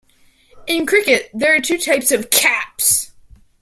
In cricket, there are two types of caps.